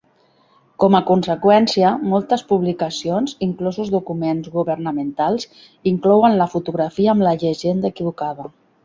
Com a conseqüència, moltes publicacions, inclosos documents governamentals, inclouen la fotografia amb la llegenda equivocada.